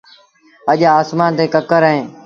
اَڄ آسمآݩ تي ڪڪر اهيݩ